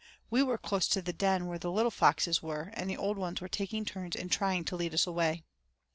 We were close to the den where the little foxes were, and the old ones were taking turns in trying to lead us away.